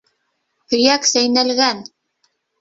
— Һөйәк сәйнәлгән!